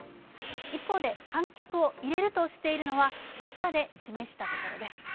一方で、観客を入れるとしているのは、赤で示した所です。